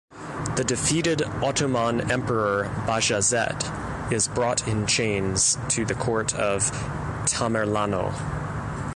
The defeated Ottoman Emperor Bajazet is brought in chains to the court of Tamerlano.